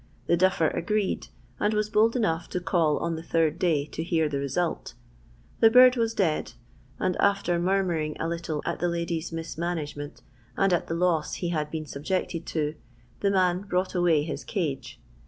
The duffer agreed ; and was bold enough to call on the third day to hear the result The bird was dead, and after murmuring a little at the hidy's mismanagement, and at the loss he had been subjected to, the man brought away his cage.